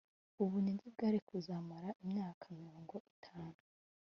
ubunyage bwari kuzamara imyaka mirongo itanu